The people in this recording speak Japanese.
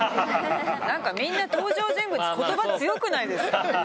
なんかみんな登場人物、ことば強くないですか？